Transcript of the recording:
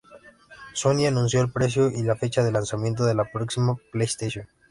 Sony anunció el precio y la fecha de lanzamiento de la próxima PlayStation.